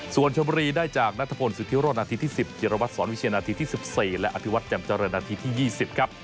ส่วนชมบุรีได้จากนัทพลสุธิโรธนาทีที่๑๐จิรวัตรสอนวิเชียนาทีที่๑๔และอธิวัตรจำเจริญนาทีที่๒๐ครับ